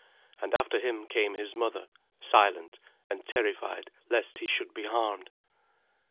And after him came his mother, silent, and terrified lest he should be harmed.